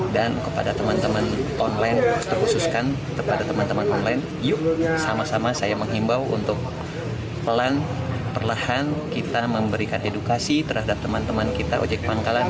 kepada teman teman online terhususkan kepada teman teman online yuk sama sama saya menghimbau untuk pelan perlahan kita memberikan edukasi terhadap teman teman kita ojek pangkalan